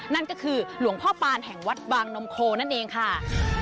นั่นก็คือหลวงพ่อปานแห่งวัดบางนมโคนั่นเองค่ะ